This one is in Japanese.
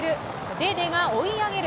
デーデーが追い上げる。